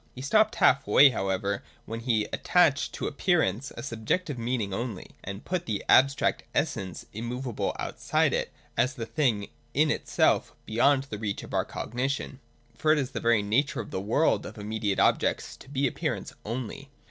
He stopped half way however, when he attached to Appearance a subjective meaning only, and put the abstract essence immovable out side it as the thing in itself beyond the reach of our cogni tion. For it is the very nature of the world of immediate objects to be appearance only.